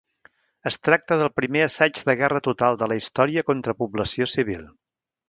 Es tracta del primer assaig de guerra total de la història contra població civil.